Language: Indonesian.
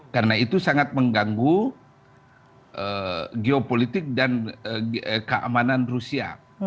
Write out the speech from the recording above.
karena itu sangat mengganggu geopolitik dan keamanan rusia